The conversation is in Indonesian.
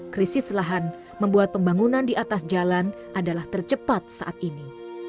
krisis lahan membuat pembangunan di atas jalan adalah tercepat saat ini